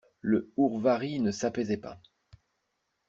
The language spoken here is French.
Le hourvari ne s'apaisait pas.